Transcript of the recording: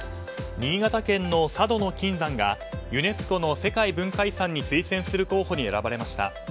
新潟県の佐渡島の金山がユネスコの世界文化遺産に推薦する候補に選ばれました。